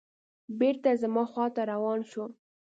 بېرته زما خواته روان شو.